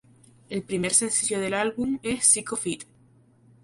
El primer sencillo del álbum es "Sick Of It".